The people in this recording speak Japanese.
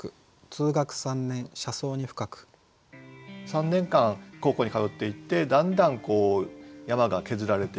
３年間高校に通っていてだんだん山が削られていくという。